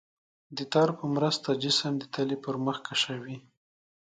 د تار په مرسته جسم د تلې پر مخ کشوي.